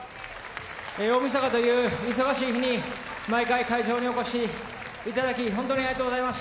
大みそかという忙しい日に毎回会場にお越しいただき本当にありがとうございました。